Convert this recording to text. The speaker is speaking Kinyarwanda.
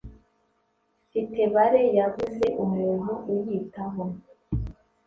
mfite bare yabuze umuntu uyitaho